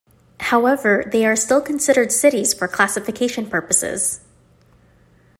However, they are still considered cities for classification purposes.